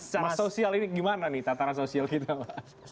secara sosial ini gimana nih tataran sosial kita pak